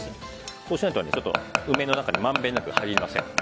こうしないと、梅の中にまんべんなく入りませんので。